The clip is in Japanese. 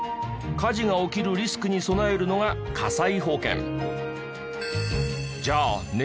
火事が起きるリスクに備えるのが火災保険。